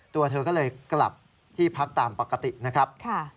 ตัวเธอก็เลยกลับที่พักตามปกตินะครับ